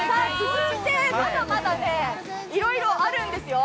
続いて、まだまだいろいろあるんですよ。